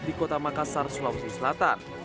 di kota makassar sulawesi selatan